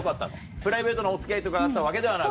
プライベートのお付き合いとかあったわけではなく？